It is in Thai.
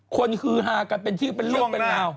คนคือหากันเป็นที่เป็นเลือกเป็นเหล้า